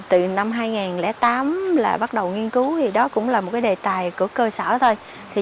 từ năm hai nghìn tám bắt đầu nghiên cứu đó cũng là một đề tài của cơ sở thôi